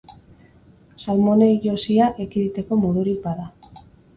Salmonellosia ekiditeko modurik bada.